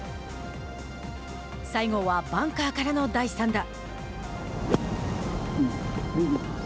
西郷はバンカーからの第３打。